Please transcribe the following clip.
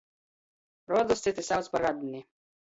Rodus cyti sauc par radni.